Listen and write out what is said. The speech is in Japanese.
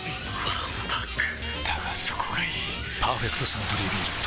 わんぱくだがそこがいい「パーフェクトサントリービール糖質ゼロ」